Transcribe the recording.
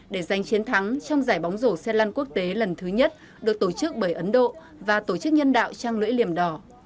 để giành chiến thắng trong giải bóng rổ xe lăn quốc tế lần thứ nhất được tổ chức bởi ấn độ và tổ chức nhân đạo trang lưỡi liềm đỏ